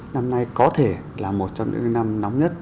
năm nay có thể là một trong những năm nóng nhất